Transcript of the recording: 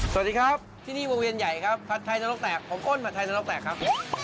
สวัสดีครับที่นี่วงเวียนใหญ่ครับผัดไทยนรกแตกผมอ้นผัดไทยนรกแตกครับ